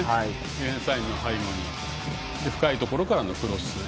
ディフェンスラインの背後に入り深いところからのクロス。